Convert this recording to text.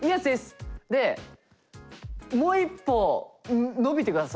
でもう一歩伸びてください